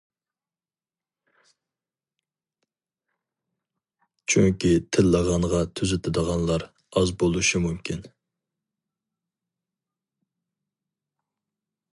چۈنكى تىللىغانغا تۈزىتىدىغانلار ئاز بولۇشى مۇمكىن.